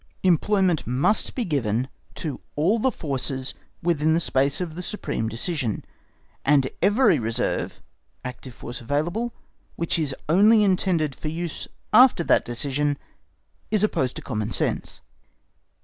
Employment must be given to all the forces within the space of the supreme decision, and every reserve (active force available) which is only intended for use after that decision is opposed to common sense.